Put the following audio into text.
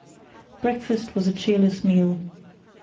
Breakfast was a cheerless meal.